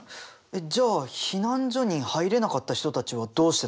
じゃあ避難所に入れなかった人たちはどうしてたの？